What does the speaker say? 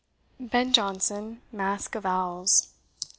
BEN JONSON, MASQUE OF OWLS.